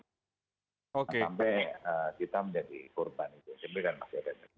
jangan sampai kita menjadi korban gitu